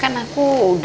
kan aku udah sembuh nih